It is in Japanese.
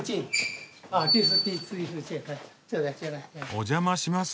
お邪魔します。